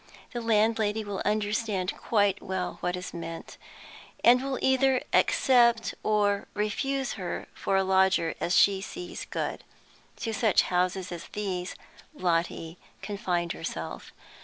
the landlady will understand quite well what is meant, and will either accept or refuse her for a lodger as she sees good. To such houses as these Lotty confined herself.